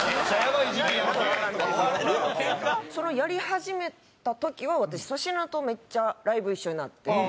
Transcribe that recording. それをやり始めた時は私粗品とめっちゃライブ一緒になってて。